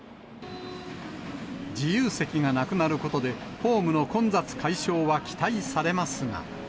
自由席がなくなることで、ホームの混雑解消は期待されますが。